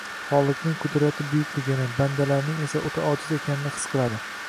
Xoliqning qudrati buyukligini, bandalarning esa o‘ta ojiz ekanini his qiladi.